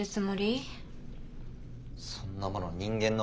そんなもの人間の